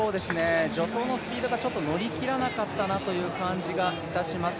助走のスピードが乗り切らなかったなという感じがいたします。